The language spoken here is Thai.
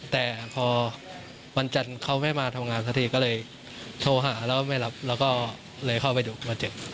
แต่พอวันจันทร์เขาไม่มาทำงานสักทีก็เลยโทรหาแล้วไม่รับแล้วก็เลยเข้าไปดูคนเจ็บ